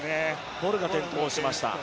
ボルが転倒しました。